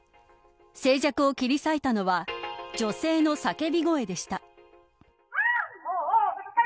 静寂を切り裂いたのは女性の叫び声でした。